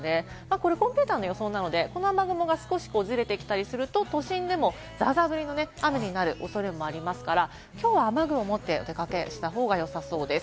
これコンピュータの予想なので、この雨雲が少しずれてきたりすると都心でもザーザー降りのね、雨になる恐れもありますから、きょうは雨具をお持ちになってお出かけした方がよさそうです。